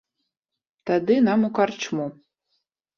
Тады нам у карчму.